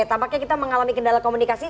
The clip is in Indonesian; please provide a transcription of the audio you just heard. tampaknya kita mengalami kendala komunikasi